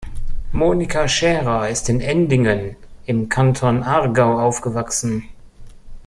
Monika Schärer ist in Endingen im Kanton Aargau aufgewachsen.